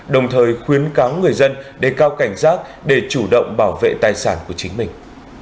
đồng thời khuyến cáo người dân đề cao cảnh giác để chủ động bảo vệ tài sản của chính mình